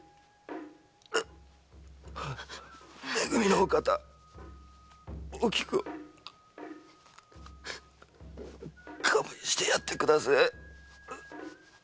め組のお方おきくを勘弁してやってくだせえ！